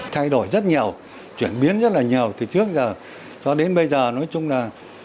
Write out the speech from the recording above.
thay đổi rất nhiều chuyển biến rất là nhiều từ trước giờ cho đến bây giờ nói chung là